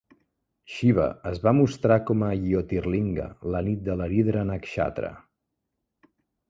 Xiva es va mostrar com a Jyotirlinga la nit de l'Aridra Nakshatra.